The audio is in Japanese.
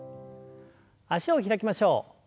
脚を開きましょう。